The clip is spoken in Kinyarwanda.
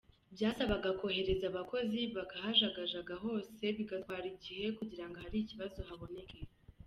Byasabaga kohereza abakozi bakahajagajaga hose bigatwara igihe kugira ngo ahari ikibazo haboneke.